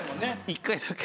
１回だけ。